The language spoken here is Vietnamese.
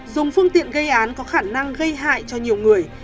dùng phương tiện gây án có khả năng gây hại cho nhiều người